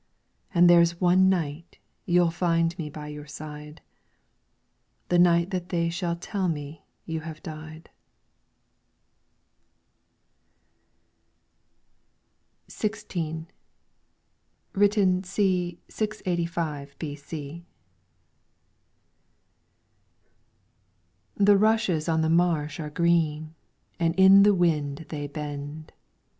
And there's one night you '11 find me by your side. The night that they shall tell me you have died. 16 LYRICS FROM THE CHINESE XVI Written c. 605 b.c. The rushes on the marsh are green, And in the wind they bend.